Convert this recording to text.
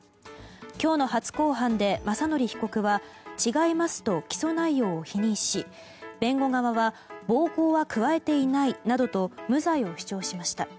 今日の初公判で雅則被告は違いますと起訴内容を否認し弁護側は暴行は加えていないなどと無罪を主張しました。